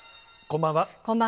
こんばんは。